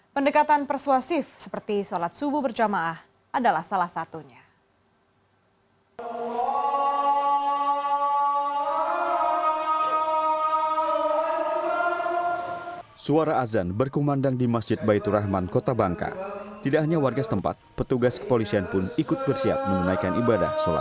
pendekatan persuasif seperti sholat subuh berjamaah adalah salah satunya